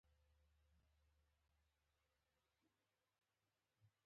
افغانستان تر هغو نه ابادیږي، ترڅو د غرونو او دښتو ترمنځ توپیرونه ختم نشي.